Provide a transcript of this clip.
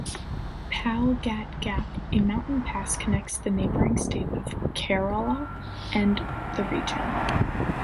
Palghat Gap, a mountain pass connects the neighbouring state of Kerala to the region.